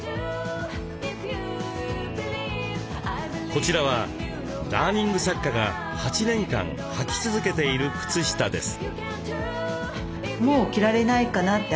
こちらはダーニング作家が８年間はき続けている靴下です。